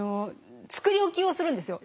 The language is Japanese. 作り置きをするんですよ。